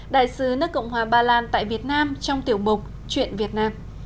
đại sứ nước cộng hòa bà lan tại việt nam trong tiểu bục chuyện việt nam